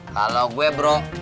kalau gue bro